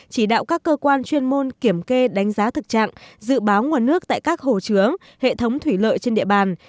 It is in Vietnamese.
chỉ đạo các cơ quan chuyên môn kiểm kê đánh giá thực trạng dự báo nguồn nước tại các hồ chứa hệ thống thủy lợi trên địa bàn